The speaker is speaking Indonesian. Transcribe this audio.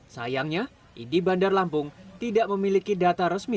sayangnya idi bandar lampung tidak memiliki data resmi